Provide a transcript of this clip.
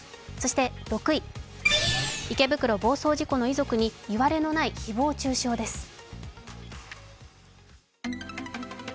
そして６位、池袋暴走事故の遺族にいわれのない誹謗中傷です。